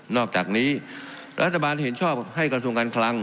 อกจากนี้รัฐบาลเห็นชอบให้กระทรวงการคลัง